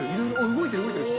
動いてる。